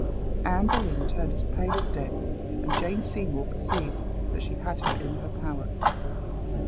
Anne Boleyn turned as pale as death, and Jane Seymour perceived that she had her in her power.